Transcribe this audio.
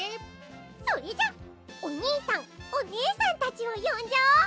それじゃおにいさんおねえさんたちをよんじゃおう。